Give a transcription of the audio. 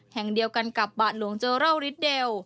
แห่งเดียวกันกับบาทหลวงเจอรัลริดเดล